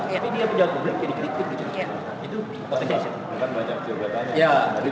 tapi dia pejabat publik jadi kritis